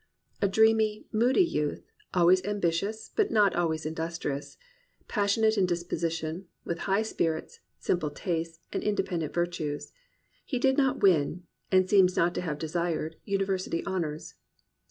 A dreamy, moody youth; always ambitious, but not always industrious; passionate in disposition, with high spirits, simple tastes, and independent virtues; he did not win, and seems not to have desired, university honours.